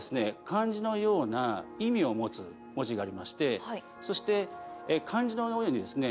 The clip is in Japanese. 漢字のような意味を持つ文字がありましてそして漢字のようにですね